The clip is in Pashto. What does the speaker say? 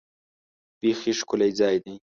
بیخي ښکلی ځای دی .